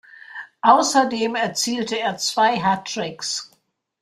Außerdem erzielte er zwei Hattricks.